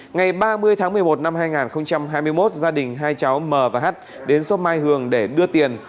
ngày ba mươi tháng một mươi một năm hai nghìn hai mươi một gia đình hai cháu m và h đến xóm mai hường để đưa tiền